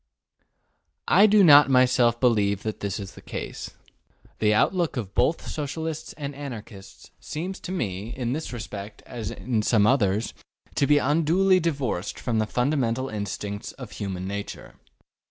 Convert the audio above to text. I do not myself believe that this is the case. The outlook of both Socialists and Anarchists seems to me, in this respect as in some others, to be unduly divorced from the fundamental instincts of human nature.